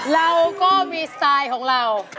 เราก็มีสไตล์ของเรา